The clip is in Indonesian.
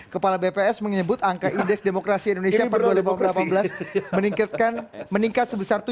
kepala bps menyebut angka indeks demokrasi indonesia pada dua ribu delapan belas meningkat sebesar tujuh puluh dua tiga puluh sembilan poin